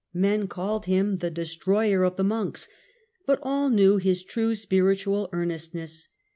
Men called him the " destroyer of the monks", but all knew his true spiritual earnestness.